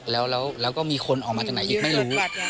แล้วก็มีคนออกมาจากไหนอีกไม่รู้